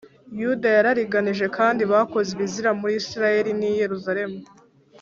Yuda yarariganije, kandi bakoze ibizira muri Isirayeli n’i Yerusalemu